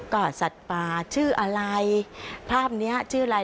ก็สัตว์ป่าชื่ออะไรภาพเนี้ยชื่ออะไร